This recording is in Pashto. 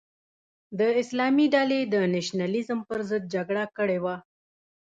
د اسلامي ډلې د نشنلیزم پر ضد جګړه کړې وه.